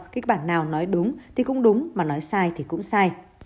kịch bản nào nói đúng thì cũng đúng mà nói sai thì cũng sai